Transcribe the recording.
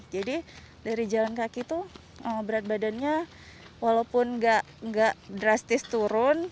jadi dari jalan kaki itu berat badannya walaupun gak drastis turun